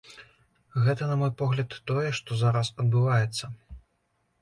Гэта, на мой погляд, тое, што зараз адбываецца.